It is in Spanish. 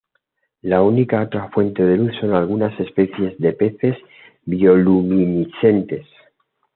La única otra fuente de luz son algunas especies de peces bioluminiscentes.